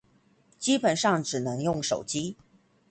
基本上只能用手機